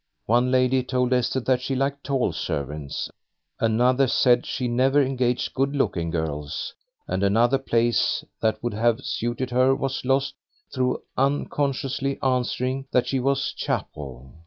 One lady told Esther that she liked tall servants, another said she never engaged good looking girls, and another place that would have suited her was lost through unconsciously answering that she was chapel.